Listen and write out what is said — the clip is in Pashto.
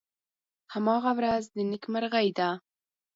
هماغه ورځ د نیکمرغۍ ده .